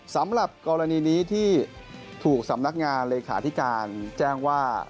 สำหรับกรณีนี้ที่ถูกสำนักงานเลขาธิการแจ้งว่า